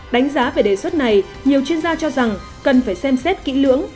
đánh giá về đề xuất này nhiều chuyên gia cho rằng cần phải xem xét kỹ lưỡng